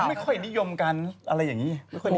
ไม่ค่อยนิยมกันอะไรอย่างนี้